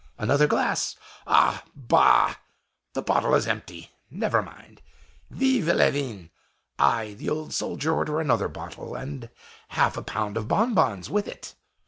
Another glass? Ah, bah! the bottle is empty! Never mind! Vive le vin! I, the old soldier, order another bottle, and half a pound of bonbons with it!"